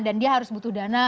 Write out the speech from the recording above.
dan dia harus butuh dana